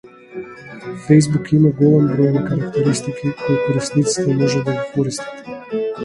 Фејсбук има голем број на карактеристики кои корисниците можат да ги користат.